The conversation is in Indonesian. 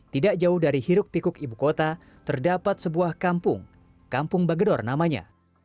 tidak jauh dari hiruk tikuk ibu kota terdapat sebuah kampung kampung bagedor namanya